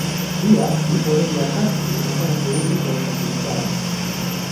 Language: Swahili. Pia ipo reli ya kati inayofanya shughuli za usafirishaji